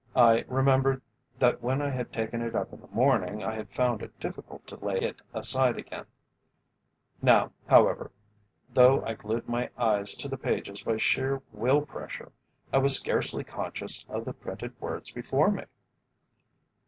I remembered that when I had taken it up in the morning I had found it difficult to lay it aside again; now, however, though I glued my eyes to the pages by sheer will pressure, I was scarcely conscious of the printed words before me.